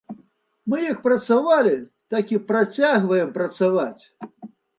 Мы як працавалі, так і працягваем працаваць.